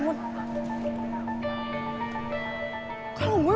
masuk kuliah dulu